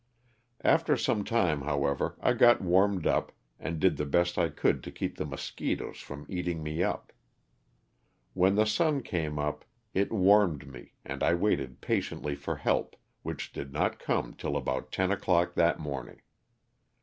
After some time, however, I got warmed up and did the best I could to keep the mosquitoes from eating me up. When the sun came up it warmed me and I waited patiently for help, which did not come till about ten o'clock that morning.